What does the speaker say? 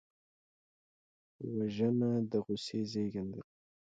وژنه د غصې زېږنده ده